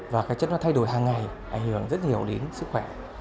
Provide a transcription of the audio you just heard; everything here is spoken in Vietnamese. và cái chất nó thay đổi hàng ngày ảnh hưởng rất nhiều đến sức khỏe